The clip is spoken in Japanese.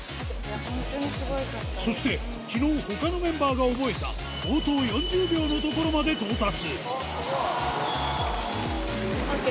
そして、きのうほかのメンバーが覚えた、冒頭４０秒のところまで到達。